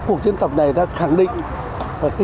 cuộc diễn tập này đã khẳng định